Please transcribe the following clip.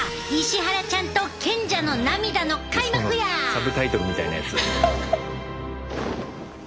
サブタイトルみたいなやつ。